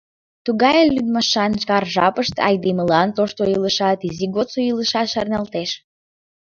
Тугай лӱдмашан кар жапыште айдемылан тошто илышат, изи годсо илышат шарналтеш.